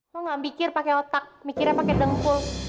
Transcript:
lo gak mikir pake otak mikirnya pake dengkul